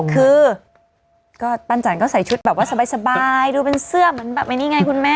คือก็ปั้นจันก็ใส่ชุดแบบว่าสบายดูเป็นเสื้อเหมือนแบบอันนี้ไงคุณแม่